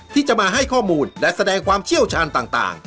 ที่จะมาให้ข้อมูลและแสดงความเชี่ยวชาญต่าง